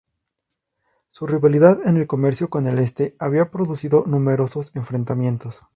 Su rivalidad en el comercio con el este había producido numerosos enfrentamientos.